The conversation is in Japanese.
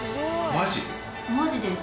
マジです。